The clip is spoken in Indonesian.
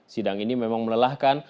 sidang ini memang melelahkan